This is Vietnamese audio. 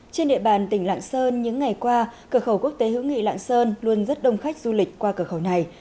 trên địa bàn tỉnh lạng sơn những ngày qua cửa khẩu quốc tế hữu nghị lạng sơn luôn rất đông khách du lịch qua cửa khẩu này